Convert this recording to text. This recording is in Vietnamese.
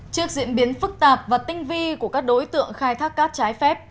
trước diễn biến phức tạp và tinh vi của các đối tượng khai thác cát trái phép